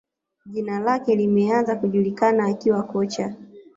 Jina lake limeanza kujulikana akiwa kocha